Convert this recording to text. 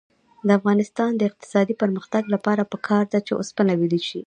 د افغانستان د اقتصادي پرمختګ لپاره پکار ده چې اوسپنه ویلې شي.